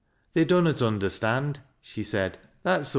" They dunnot understand," she said, " that's aw.